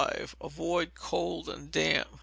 Avoid cold and damp.